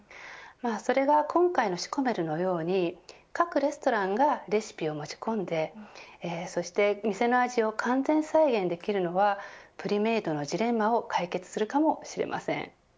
それが今回のシコメルのように各レストランがレシピを持ち込んでそして店の味を完全再現できるのはプリメイドのジレンマを解決するかもしれません。